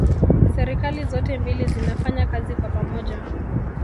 serikali zote mbili zinafanya kazi kwa pamoja